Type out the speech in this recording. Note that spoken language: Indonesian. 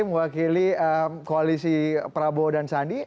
mewakili koalisi prabowo dan sandi